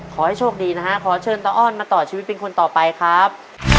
ขอให้โชคดีนะฮะขอเชิญตาอ้อนมาต่อชีวิตเป็นคนต่อไปครับ